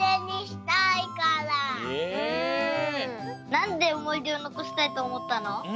なんでおもいでをのこしたいとおもったの？